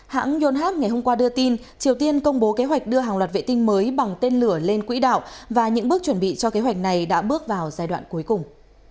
hãng yonhap ngày hôm qua đưa tin triều tiên công bố kế hoạch đưa hàng loạt vệ tinh mới bằng tên lửa lên quỹ đạo và những bước chuẩn bị cho kế hoạch này đã bước vào giai đoạn cuối cùng